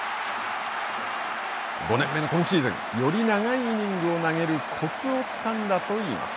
５年目の今シーズンより長いイニングを投げるこつをつかんだといいます。